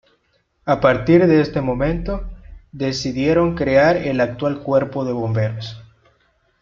A partir de este momento, decidieron crear el actual cuerpo de bomberos.